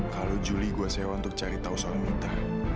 kalau juli gue sewa untuk cari tahu soal muta